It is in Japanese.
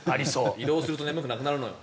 移動すると眠くなくなるのよ。